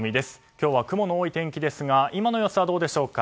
今日は雲の多い天気ですが今の様子はどうでしょうか。